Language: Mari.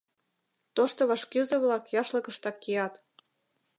Тошто вашкӱзӧ-влак яшлыкыштак кият.